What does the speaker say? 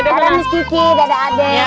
dadah miss kiki dadah ade